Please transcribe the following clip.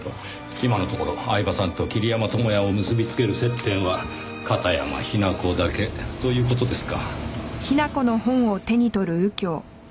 今のところ饗庭さんと桐山友哉を結び付ける接点は片山雛子だけという事ですか。